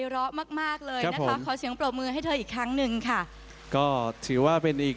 เช็คตู้ฉันบรู้ว่ามันจะยังเป็นพ่อโอ่ไม่เป็นไง